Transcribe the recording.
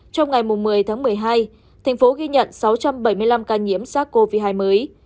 trong ngày một mươi tháng một mươi hai thành phố ghi nhận sáu trăm bảy mươi năm ca nhiễm sars cov hai mới